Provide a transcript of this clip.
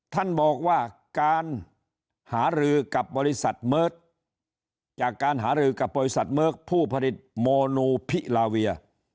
ท่านบอกว่าการหารือกับบริษัทเมิร์ดจากการหารือกับบริษัทเมิร์กผู้ผลิตโมนูพิลาเวีย